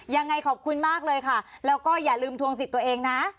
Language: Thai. ยังไงขอบคุณมากเลยค่ะแล้วก็อย่าลืมทวงสิทธิ์ตัวเองนะ